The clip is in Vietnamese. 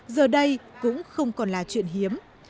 giờ đây cũng không còn là chuyện hiếm